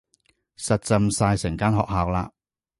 實浸晒成間學校啦